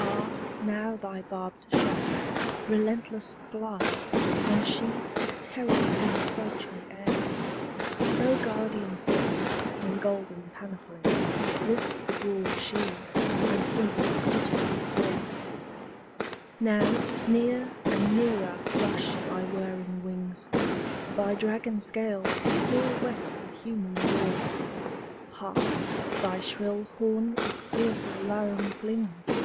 —Ah now thy barbed shaft, relentless fly, Unsheaths its terrors in the sultry air! No guardian sylph, in golden panoply, Lifts the broad shield, and points the glittering spear. Now near and nearer rush thy whirring wings, Thy dragon scales still wet with human gore. Hark, thy shrill horn its fearful laram flings!